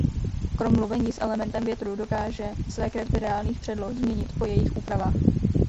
Krom mluvení s elementem větru dokáže své kresby reálných předloh změnit po jejich úpravách.